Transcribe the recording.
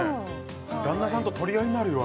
旦那さんと取り合いになるよ